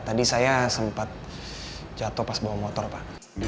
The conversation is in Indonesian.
tadi saya sempat jatuh pas bawa motor pak